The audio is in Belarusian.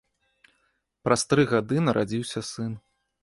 Праз тры гады нарадзіўся сын.